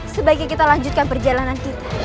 sebaiknya kita lanjutkan perjalanan